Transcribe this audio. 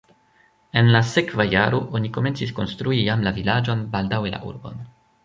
En la sekva jaro oni komencis konstrui jam la vilaĝon, baldaŭe la urbon.